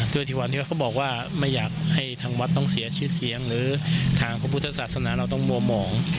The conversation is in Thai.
ที่วันนี้เขาบอกว่าไม่อยากให้ทางวัดต้องเสียชื่อเสียงหรือทางพระพุทธศาสนาเราต้องมัวหมอง